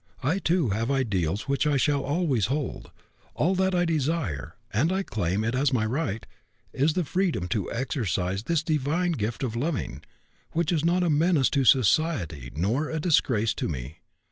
I too have ideals which I shall always hold. All that I desire and I claim it as my right is the freedom to exercise this divine gift of loving, which is not a menace to society nor a disgrace to me.